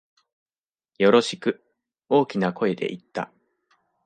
よろしく、大きな声で言った。